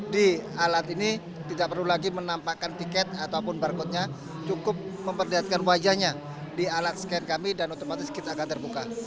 di alat ini tidak perlu lagi menampakkan tiket ataupun barcode nya cukup memperlihatkan wajahnya di alat scan kami dan otomatis kita akan terbuka